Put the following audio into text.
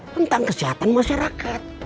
tentang kesehatan masyarakat